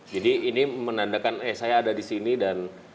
jadi ini menandakan eh saya ada di sini dan